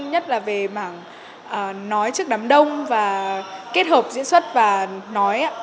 nhất là về mảng nói trước đám đông và kết hợp diễn xuất và nói